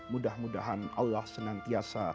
mudah mudahan allah senantiasa